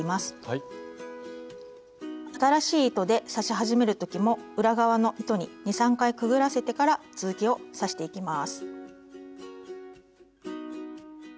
新しい糸で刺し始める時も裏側の糸に２３回くぐらせてから続きを刺していきます。